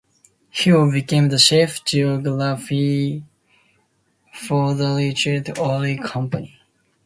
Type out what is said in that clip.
Hill became the chief geologist for the Richfield Oil Company.